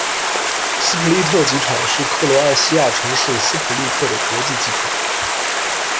斯普利特机场是克罗埃西亚城市斯普利特的国际机场。